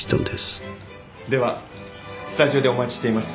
ではスタジオでお待ちしています。